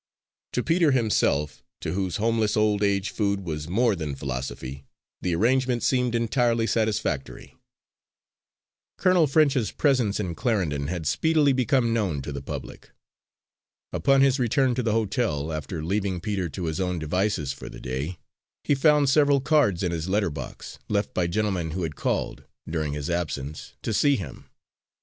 To Peter himself, to whose homeless old age food was more than philosophy, the arrangement seemed entirely satisfactory. Colonel French's presence in Clarendon had speedily become known to the public. Upon his return to the hotel, after leaving Peter to his own devices for the day, he found several cards in his letter box, left by gentlemen who had called, during his absence, to see him.